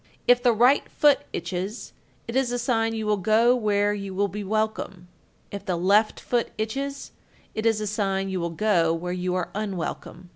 If the right foot itches, it is a sign you will go where you will be welcome; if the left foot itches, it is a sign you will go where you are unwelcome.